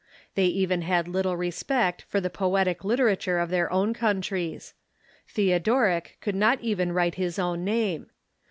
They even Learning ^^^^^ little respect for the poetic literature of their own countries. Theodoric could not even write his own name.